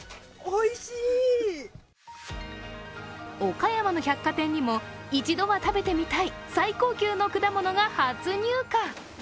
岡山の百貨店にも一度は食べてみたい最高級の果物が初入荷。